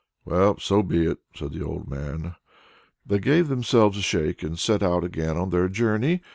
"Well, so be it," said the old man. They gave themselves a shake, and set out again on their journey.